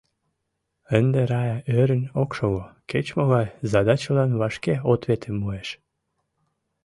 Ынде Рая ӧрын ок шого, кеч-могай «задачылан» вашке «ответым» муэш.